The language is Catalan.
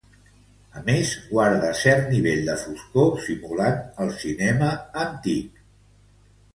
A més, guarda cert nivell de foscor simulant el cinema antic.